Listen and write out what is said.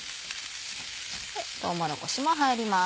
とうもろこしも入ります。